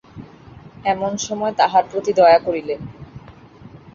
এমন সময় তাহার প্রতি তাহার প্রতি দয়া করিলেন।